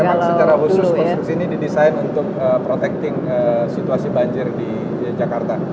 memang secara khusus konstruksi ini didesain untuk protecting situasi banjir di jakarta